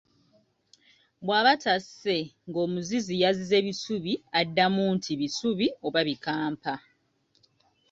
Bw'aba tasse ng'omuzizi yazize bisubi addamu nti bisubi oba bikampa.